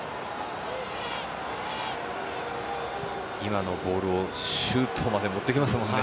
今のボールをシュートまで持っていきますもんね。